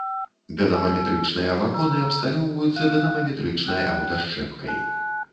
Дынамаметрычныя вагоны абсталёўваюцца дынамаметрычнай аўтасчэпкай.